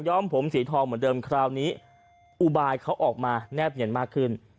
ผมสีทองเหมือนเดิมคราวนี้อุบายเขาออกมาแนบเนียนมากขึ้น